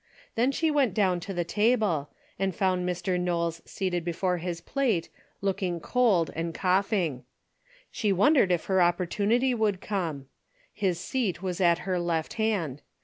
Then she went down to the table, and found Mr. Knowles seated before his plate looking cold and coughing. She wondered if her opportunity would come. His seat was at her left hand.